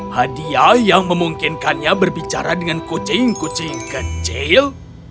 hadiah yang memungkinkannya berbicara dengan kucing kucing kecil